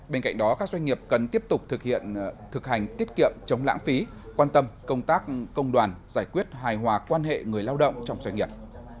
bên cạnh đó các doanh nghiệp cần tiếp tục thực hành tiết kiệm chống lãng phí quan tâm công tác công đoàn giải quyết hài hòa quan hệ người lao động trong doanh nghiệp